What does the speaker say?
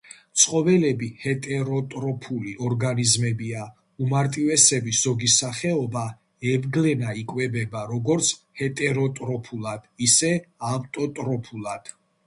ცხოველები ჰეტეროტროფული ორგანიზმებია. უმარტივესების ზოგი სახეობა ევგლენა იკვებება როგორც ჰეტეროტროფულად, ისე ავტოტროფულად.